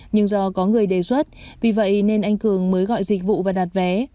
nhưng do có người đề xuất vì vậy nên anh cường mới gọi dịch vụ và đặt vé